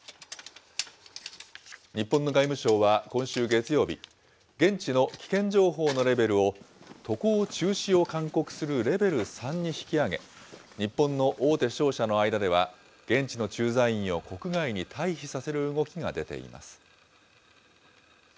日本の外務省は今週月曜日、現地の危険情報のレベルを、渡航中止を勧告するレベル３に引き上げ、日本の大手商社の間では、現地の駐在員を国外に退避させる動きが出ています。